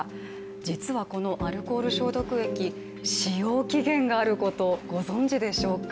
実はこのアルコール消毒液使用期限があること、ご存じでしょうか？